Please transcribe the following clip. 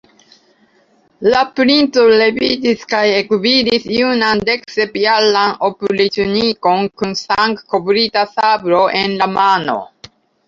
La princo leviĝis kaj ekvidis junan deksepjaran opriĉnikon kun sangkovrita sabro en la mano.